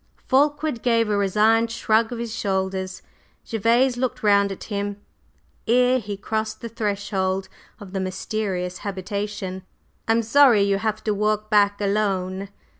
_" Fulkeward gave a resigned shrug of his shoulders; Gervase looked round at him ere he crossed the threshold of the mysterious habitation. "I'm sorry you have to walk back alone."